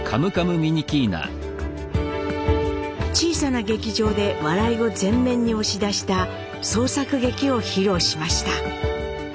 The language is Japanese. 小さな劇場で笑いを前面に押し出した創作劇を披露しました。